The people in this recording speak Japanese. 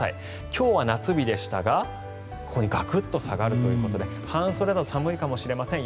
今日は夏日でしたがこのようにガクッと下がるということで半袖だと寒いかもしれません。